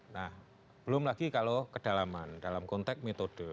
nah belum lagi kalau kedalaman dalam konteks metode